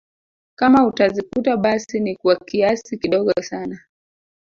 Kama utazikuta basi ni kwa kiasi kidogo sana